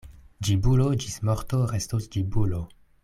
Ĝibulo ĝis morto restos ĝibulo.